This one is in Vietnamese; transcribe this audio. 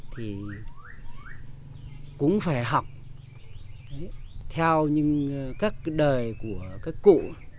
thì cũng phải học theo những các cái đời của các cụ